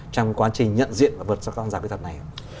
trong quá trình nhận diện và vượt qua hàng rào kỹ thuật này